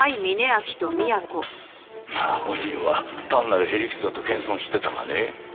まあ本人は単なる屁理屈だと謙遜してたがね。